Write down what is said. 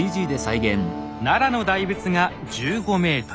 奈良の大仏が１５ｍ。